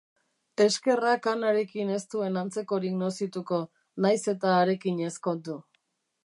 Eskerrak Anarekin ez duen antzekorik nozituko, nahiz eta harekin ezkondu.